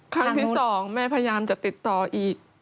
ครั้งที่๒แม่พยายามจะติดต่ออีก